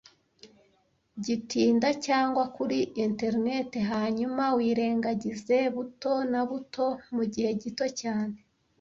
g itinda cyangwa kuri interineti, hanyuma wirengagize buto na buto mugihe gito cyane